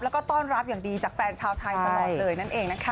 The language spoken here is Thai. แล้วก็ต้อนรับอย่างดีจากแฟนชาวไทยตลอดเลยนั่นเองนะคะ